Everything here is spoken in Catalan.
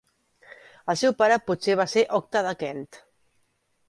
El seu pare potser va ser Octa de Kent.